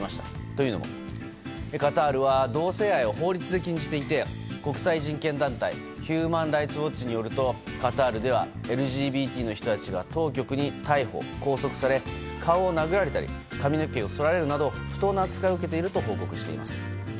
というのも、カタールは同性愛を法律で禁じていて国際人権団体ヒューマン・ライツ・ウォッチによるとカタールではＬＧＢＴの人たちが当局に逮捕・拘束され、顔を殴られたり髪の毛を剃られるなど不当な扱いを受けていると報告しています。